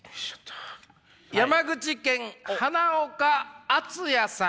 山口県花岡篤哉さん。